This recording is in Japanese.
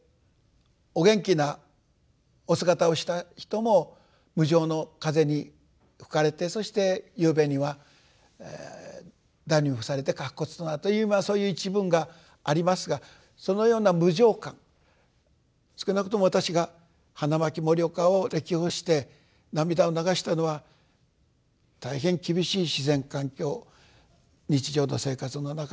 お元気なお姿をした人も無常の風に吹かれてそして夕べには荼毘に付されて白骨となるというそういう一文がありますがそのような無常観少なくとも私が花巻盛岡を歴訪して涙を流したのは大変厳しい自然環境日常の生活の中での飢饉というようなもの。